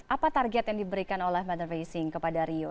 apa target yang diberikan oleh manor racing kepada rio